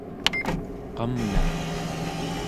qamna